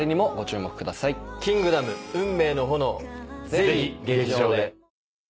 ぜひ劇場で。